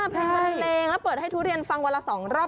เพลงบันเลงแล้วเปิดให้ทุเรียนฟังวันละ๒รอบ